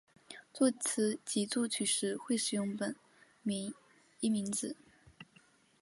作词及作曲时会使用本名巽明子。